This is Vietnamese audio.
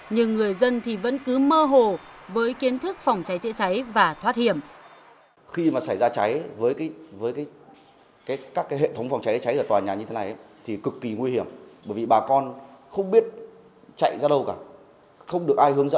nhưng không bao giờ có những người dân có thể sử dụng bình cứu hỏa